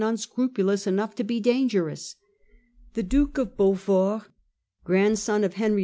' unscrupulous enough to be dangerous. The Duke of Beaufort, grandson of Henry IV.